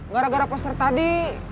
gara gara poster tadi